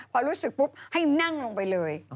พอรู้สึกปุ๊บให้นั่งลงไปเลย